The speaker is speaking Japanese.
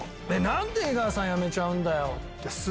何で江川さんやめちゃうんだよ